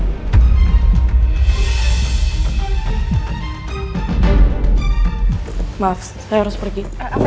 hai maaf saya harus pergi